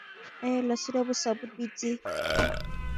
ایا لاسونه مو صابون مینځئ؟